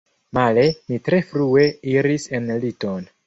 Male, mi tre frue iris en liton.